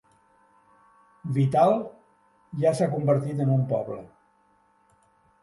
Vittal ja s'ha convertit en un poble.